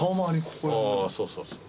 そうそう